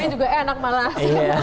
ini juga enak malah